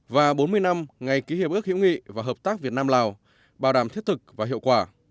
và bốn mươi năm ngày ký hiệp ước hữu nghị và hợp tác việt nam lào bảo đảm thiết thực và hiệu quả